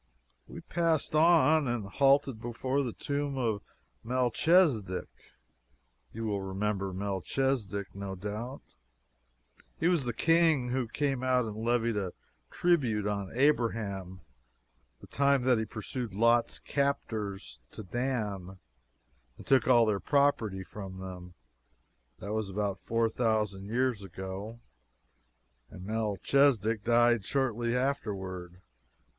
We passed on, and halted before the tomb of Melchisedek! You will remember Melchisedek, no doubt; he was the King who came out and levied a tribute on Abraham the time that he pursued Lot's captors to Dan, and took all their property from them. That was about four thousand years ago, and Melchisedek died shortly afterward.